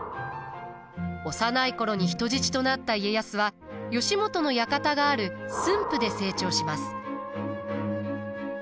幼い頃に人質となった家康は義元の館がある駿府で成長します。